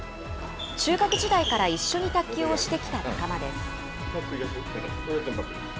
中学時代から一緒に卓球をしてきた仲間です。